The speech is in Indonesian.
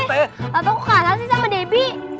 papa kok kasar sih sama debbie